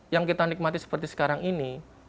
yang kita nikmati seperti sekarang ini